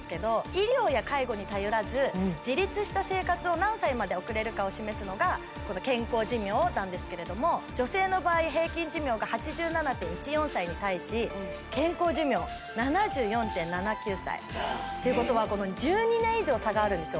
医療や介護に頼らず自立した生活を何歳まで送れるかを示すのがこの健康寿命なんですけれども女性の場合平均寿命が８７．１４歳に対し健康寿命７４．７９歳ということは１２年以上差があるんですよ